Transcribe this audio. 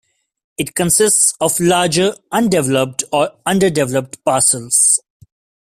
It consists of larger undeveloped or under-developed parcels.